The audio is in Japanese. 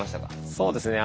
そうですね。